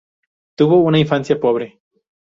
Tuvo una infancia pobre.